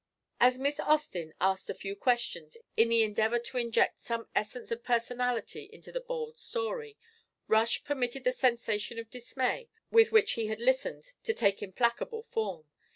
As Miss Austin asked a few questions in the endeavour to inject some essence of personality into the bald story, Rush permitted the sensation of dismay with which he had listened to take implacable form.